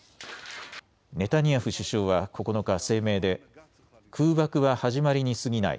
ネタニヤフ首相は９日、声明で空爆は始まりにすぎない。